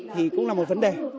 thì cũng là một vấn đề